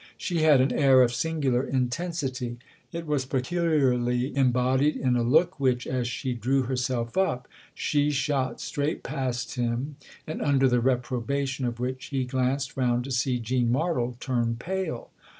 She had an air of singular intensity ; it was peculiarly embodied in a look which, as she drew herself up, she shot straight past him and under the reprobation of which he glanced round to see Jean Martle turn pale.